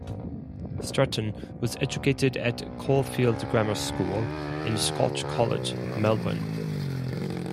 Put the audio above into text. Stretton was educated at Caulfield Grammar School and Scotch College, Melbourne.